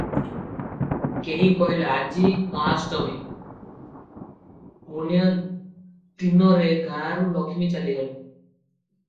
କେହି କହିଲା--ଆଜି ମହାଷ୍ଟମୀ, ପୁଣ୍ୟଦିନରେ ଗାଁରୁ ଲକ୍ଷ୍ମୀ ଚାଲିଗଲେ ।